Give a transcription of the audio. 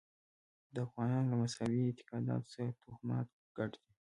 د افغانانو له مذهبي اعتقاداتو سره توهمات ګډ دي.